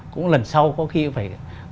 cũng lần sau có khi phải